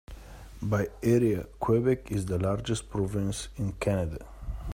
By area, Quebec is the largest province of Canada.